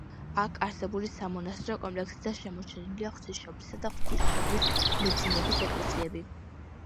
აქ არსებული სამონასტრო კომპლექსიდან შემორჩენილია ღვთისმშობლისა და ღვთისმშობლის მიძინების ეკლესიები.